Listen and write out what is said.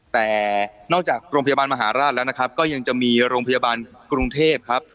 แต่นอกจากโรงพยาบาลมหาราชแล้วนะครับก็ยังจะมีโรงพยาบาลกรุงเทพครับ